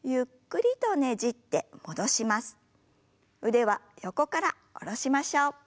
腕は横から下ろしましょう。